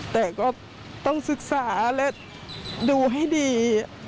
แต่ก็ต้องศึกษาและดูให้ดี